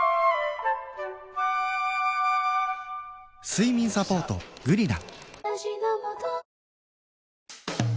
睡眠サポート「グリナ」